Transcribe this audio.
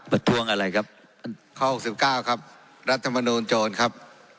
ประท้วงอะไรครับข้อหกสิบเก้าครับรัฐมนูลโจรครับ